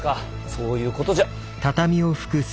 そういうことじゃ。